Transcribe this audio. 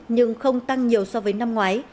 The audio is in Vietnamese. nhưng không tăng nhiều so với năm ngoái